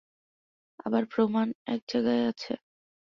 আবার প্রমাণ এক জায়গায় আছে?